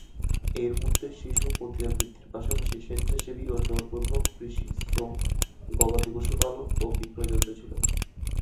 এর মধ্যে শিশু পতিতাবৃত্তির পাশাপাশি স্বেচ্ছাসেবী ও জোরপূর্বক কৃষি শ্রম, গবাদি পশুপালন এবং বিক্রয় জড়িত ছিল।